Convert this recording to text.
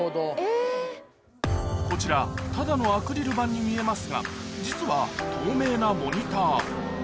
・こちらただのアクリル板に見えますが実は透明なモニター